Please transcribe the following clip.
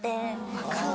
分かる。